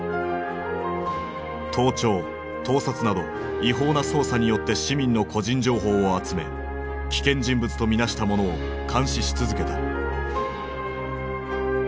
盗聴盗撮など違法な捜査によって市民の個人情報を集め危険人物と見なした者を監視し続けた。